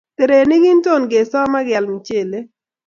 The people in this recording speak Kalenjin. Terenik kintonik kesoom ak keal michelee.